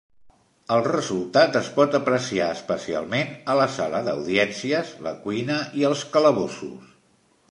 El resultat es pot apreciar especialment a la sala d'audiències, la cuina i els calabossos.